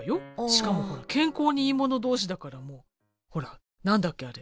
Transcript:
しかもほら健康にいいもの同士だからほら何だっけあれ。